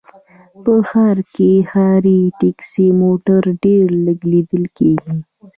په ښار کې ښاري ټکسي موټر ډېر لږ ليدل کېږي